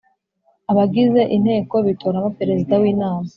abagize Inteko bitoramo Perezida w’inama